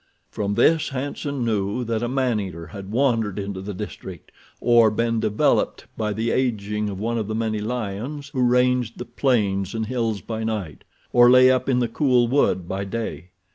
From this Hanson knew that a man eater had wandered into the district or been developed by the aging of one of the many lions who ranged the plains and hills by night, or lay up in the cool wood by day.